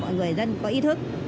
mọi người dân có ý thức